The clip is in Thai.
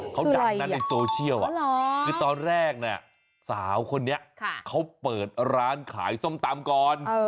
เขาดังนะในโซเชียลคือตอนแรกเนี่ยสาวคนนี้เขาเปิดร้านขายส้มตำก่อน